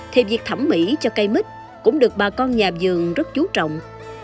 thì việc thẩm mỹ cho cây mít cũng được bà con nhà vườn rất chú trọng